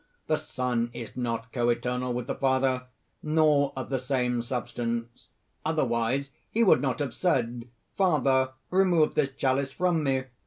the Son is not coeternal with the Father, nor of the same substance! Otherwise he would not have said: 'Father, remove this chalice from me!